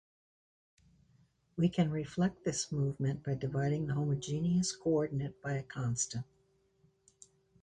We can reflect this movement by dividing the homogeneous coordinate by a constant.